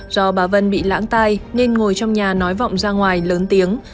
do bà vân bị lãng tai nên ngồi trong nhà nói vọng ra ngoài lớn tiếng